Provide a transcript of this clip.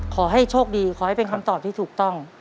ขอให้โชคดีขอให้เป็นคำตอบที่ถูกต้อง